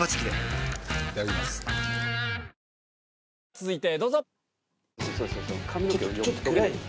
続いてどうぞ。